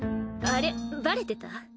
あれバレてた？